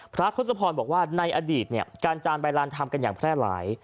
ทศพรบอกว่าในอดีตเนี่ยการจานใบลานทำกันอย่างแพร่หลาย